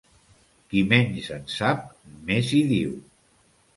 Qui menys en sap, més hi diu.